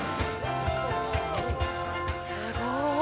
すごーい。